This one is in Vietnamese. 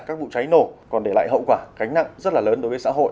các vụ cháy nổ còn để lại hậu quả cánh nặng rất là lớn đối với xã hội